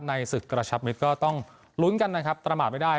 ในศึกกระชับมิตรก็ต้องลุ้นกันนะครับประมาทไม่ได้